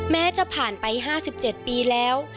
แม้จะผ่านไป๕๗ปีแล้ว